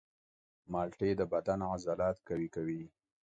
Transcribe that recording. مالټې د بدن عضلات قوي کوي.